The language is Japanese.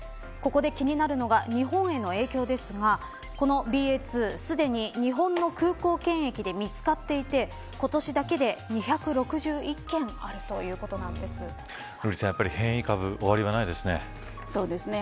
ここで気になるのが日本への影響ですがこのＢＡ．２、すでに日本の空港検疫で見つかっていて今年だけで２６１件あるということです。